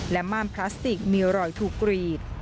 และม่านพลาสติกมีรอยถูกกรีด